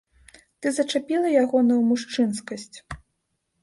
Ты зачапіла ягоную мужчынскасць?